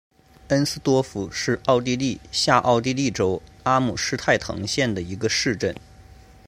恩斯多夫是奥地利下奥地利州阿姆施泰滕县的一个市镇。